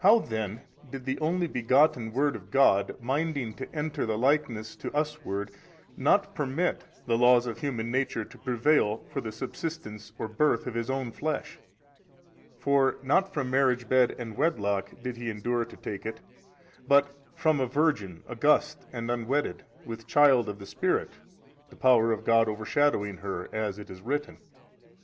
Then how did the Only begotten Word of God, minding to enter the likeness to us ward, not permit the laws of human nature to prevail, for the subsistence or birth of His own flesh: for not from marriage bed and wedlock did He endure to take it but from a Virgin august and unwedded, with child of the Spirit, the Power of God over shadowing her, as it is written.